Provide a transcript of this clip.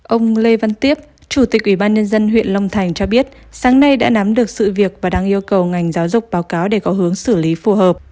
ông lê văn tiếp chủ tịch ủy ban nhân dân huyện long thành cho biết sáng nay đã nắm được sự việc và đang yêu cầu ngành giáo dục báo cáo để có hướng xử lý phù hợp